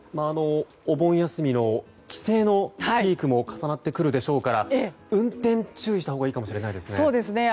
お盆休みの帰省のピークも重なってくるでしょうから運転、注意したほうがいいかもしれないですね。